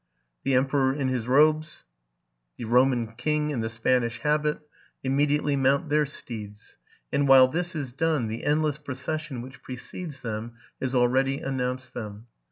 The emperor in his robes, the Roman king in the Spanish habit, imme diately mount their steeds ; and, while this is done, the end less procession which precedes them has already announced them.